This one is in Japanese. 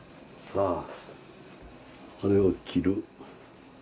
さあこれを切る。